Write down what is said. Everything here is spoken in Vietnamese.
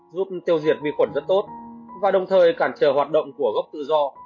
giúp tiêu diệt vi khuẩn rất tốt và đồng thời cản trở hoạt động của gốc tự do